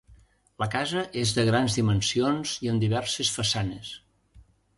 La casa és de grans dimensions i amb diverses façanes.